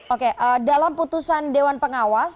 oke dalam putusan dewan pengawas